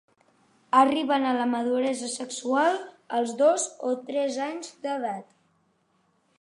Arriben a la maduresa sexual als dos o tres anys d'edat.